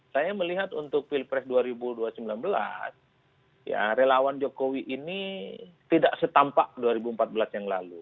saya melihat untuk pilpres dua ribu sembilan belas relawan jokowi ini tidak setampak dua ribu empat belas yang lalu